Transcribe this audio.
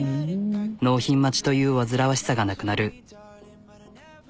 納品待ちという煩わしさがなくなる。